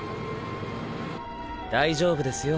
大丈夫ですよ。